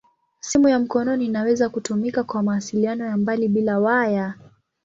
Simu ya mkononi inaweza kutumika kwa mawasiliano ya mbali bila waya.